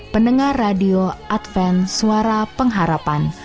pendengar radio advent suara pengharapan